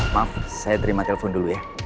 maaf saya terima telepon dulu ya